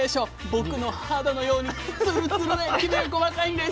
僕の肌のようにつるつるできめが細かいんです。